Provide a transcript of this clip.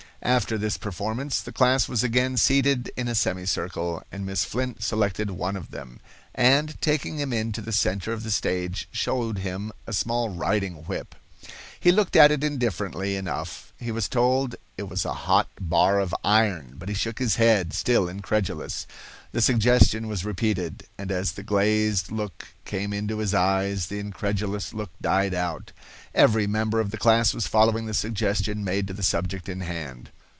After this performance, the class was again seated in a semicircle, and Miss Flint selected one of them, and, taking him into the center of the stage, showed him a small riding whip. He looked at it indifferently enough. He was told it was a hot bar of iron, but he shook his head, still incredulous. The suggestion was repeated, and as the glazed look came into his eyes, the incredulous look died out. Every member of the class was following the suggestion made to the subject in hand.